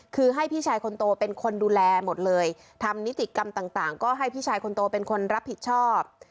คือให้พี่ชายคนโตเป็นคนดูแลหมดเลยทำนิติกรรมต่างก็ให้พี่ชายคนโตเป็นคนรับผิดชอบ